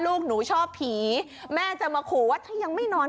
ลูกหนูชอบผีแม่จะมาขู่ว่าถ้ายังไม่นอน